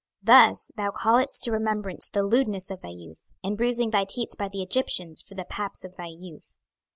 26:023:021 Thus thou calledst to remembrance the lewdness of thy youth, in bruising thy teats by the Egyptians for the paps of thy youth.